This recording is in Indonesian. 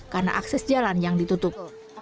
karena akses jalan yang ditutup